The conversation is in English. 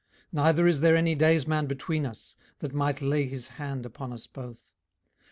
18:009:033 Neither is there any daysman betwixt us, that might lay his hand upon us both.